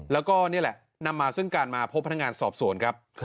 แล้วก็นี่แหละนำมาซึ่งการมาพบพนักงานสอบสวนครับ